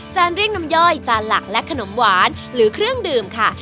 เรียกน้ำย่อยจานหลักและขนมหวานหรือเครื่องดื่มค่ะ